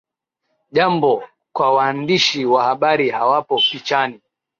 jambo kwa Waandishi wa Habari hawapo pichani